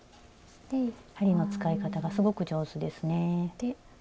針の使い方がすごく上手ですね。